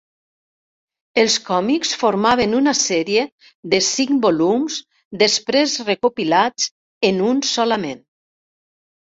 Els còmics formaven una sèrie de cinc volums després recopilats en un solament.